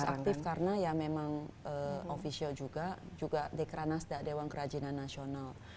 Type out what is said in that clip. aktif karena ya memang ofisial juga juga dekranasda dewan kerajinan nasional